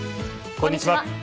こんにちは。